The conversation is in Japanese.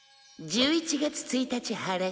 １１月１日晴れ。